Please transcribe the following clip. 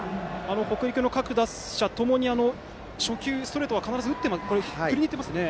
北陸の各打者共に初球、ストレートは必ず振りにいっていますね。